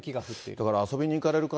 だから遊びに行かれる方、